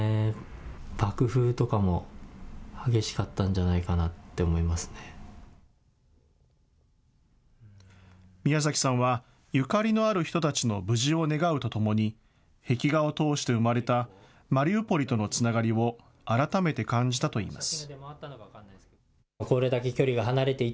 爆風とかも激しかったんじゃないミヤザキさんは、ゆかりのある人たちの無事を願うとともに、壁画を通して生まれたマリウポリとのつながりを改めて感じたといいます。